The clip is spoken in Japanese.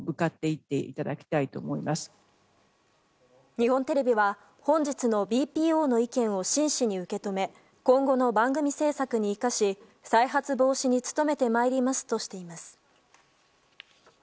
日本テレビは、本日のＢＰＯの意見を真摯に受け止め今後の番組制作に生かし再発防止に努めてまいりますとしています。